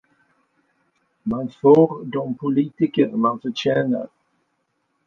Man får de politiker man förtjänar.